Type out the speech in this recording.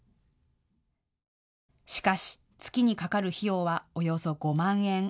しかし月にかかる費用はおよそ５万円。